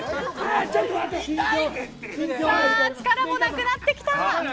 力もなくなってきた。